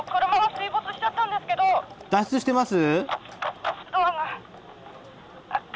脱出してます？